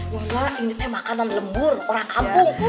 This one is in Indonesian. mama ingetnya makanan lembur orang kampung